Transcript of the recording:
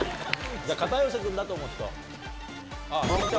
じゃあ、片寄君だと思う人？